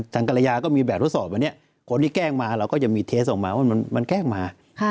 กรยาก็มีแบบทดสอบวันนี้คนที่แกล้งมาเราก็จะมีเทสออกมาว่ามันแกล้งมา